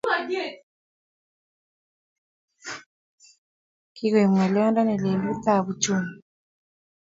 Kikoib ngolyondoni luletap uchumi